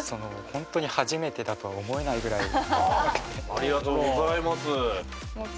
ありがとうございます。